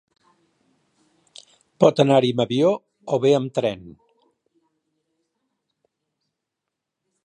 Pot anar-hi amb avió o bé amb tren.